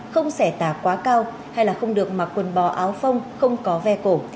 không xẻ tả quá cao hay là không được mặc quần bò áo phong không có ve cổ